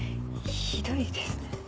ひどいですね。